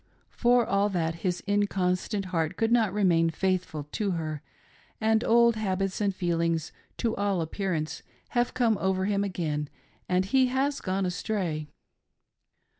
For all that, his incon stant heart could not remain faithful to her, and old habits and feelings, to all appearance, have come over him again, and he has gone astray.